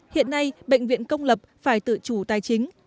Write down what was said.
hiện nay bệnh viện công lập phải tự chủ tài chính